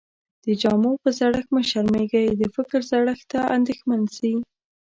د جامو په زړښت مه شرمېږٸ، د فکر زړښت ته انديښمن سې.